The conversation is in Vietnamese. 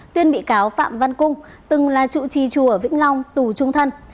tuyên bị cáo phạm văn cung từng là trụ trì chùa ở vĩnh long tù trung thân